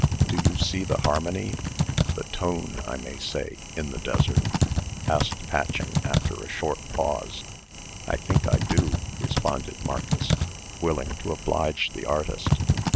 "Do you see the harmony the TONE, I may say in the desert?" asked Patching, after a short pause. "I think I do," responded Marcus, willing to oblige the artist.